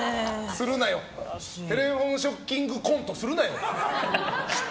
テレホンショッキングコントするなよ。